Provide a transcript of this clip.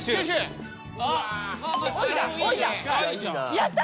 やった！